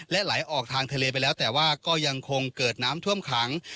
และไหลออกทางทะเลไปแล้วแต่ว่าก็ยังคงเกิดน้ำท่วมขัง